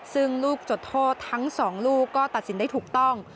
ซึ่งลูกจดโทษทั้ง๒ลูกก็ตัดสินได้ถูกต้อง